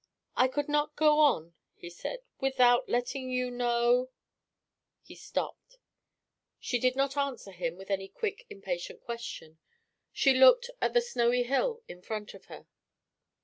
"I could not go on," he said, "without letting you know " He stopped. She did not answer him with any quick impatient question. She looked at the snowy hill in front of her.